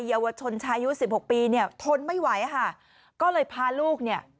เยาวชนชายอายุสิบหกปีเนี่ยทนไม่ไหวค่ะก็เลยพาลูกเนี่ย